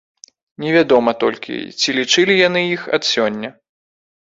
Невядома толькі, ці лічылі яны іх ад сёння.